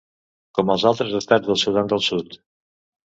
Com els altres estats del Sudan del Sud.